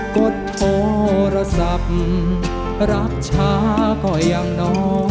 กดโทรศัพท์รับช้าก็ยังน้อย